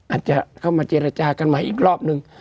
อาจจะเข้ามาเจรจากันใหม่อีกรอบนึง